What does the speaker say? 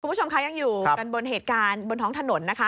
คุณผู้ชมคะยังอยู่กันบนเหตุการณ์บนท้องถนนนะคะ